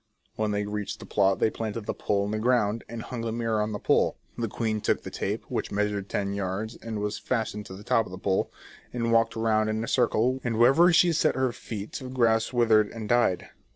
When they reached the plot they planted the pole in the ground, and hung the mirror on the pole. The queen took the tape, which measured ten yards and was fastened to the top of the pole, and walked round in a circle, and wherever she set her feet the grass withered and died.